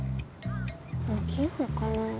大きい方かなぁ。